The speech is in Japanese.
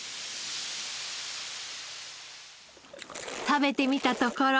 食べてみたところ。